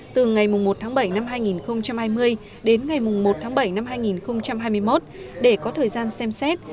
từ ngày một tháng bảy năm hai nghìn hai mươi đến ngày một tháng bảy năm hai nghìn hai mươi một để có thời gian xem xét